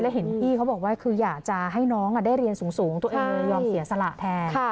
เห็นพี่เขาบอกว่าคืออยากจะให้น้องได้เรียนสูงตัวเองเลยยอมเสียสละแทน